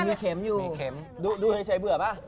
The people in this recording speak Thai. มันคืออะไรอ่ะมันมีเข็มอยู่ดูด้วยเชยเบื่อป่ะ